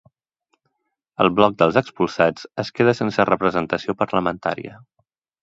El Bloc dels Expulsats es queda sense representació parlamentària.